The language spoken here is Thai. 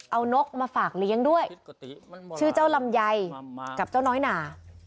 เอานกมาฝากเลี้ยงด้วยชื่อเจ้าลำไยกับเจ้าน้อยหนา